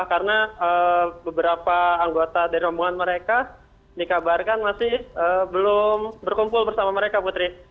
karena beberapa anggota dari rombongan mereka dikabarkan masih belum berkumpul bersama mereka putri